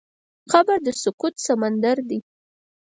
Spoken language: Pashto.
قبر د سکوت سمندر دی.